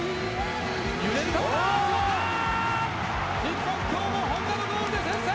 日本、今日も本田のゴールで先制！